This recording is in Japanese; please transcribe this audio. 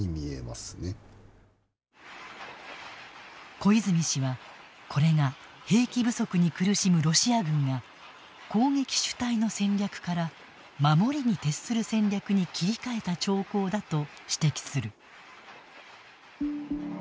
小泉氏は、これが兵器不足に苦しむロシア軍が攻撃主体の戦略から守りに徹する戦略に切り替えた兆候だと指摘する。